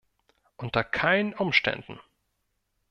Unter keinen Umständen!